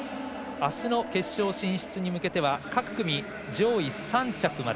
あすの決勝進出に向けては各組上位３着まで。